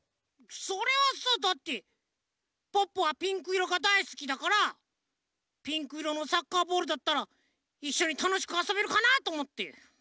それはさだってポッポはピンクいろがだいすきだからピンクいろのサッカーボールだったらいっしょにたのしくあそべるかなとおもって。